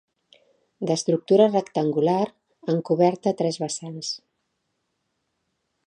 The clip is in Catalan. D'estructura rectangular amb coberta a tres vessants.